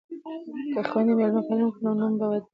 که خویندې میلمه پالنه وکړي نو نوم به نه وي بد.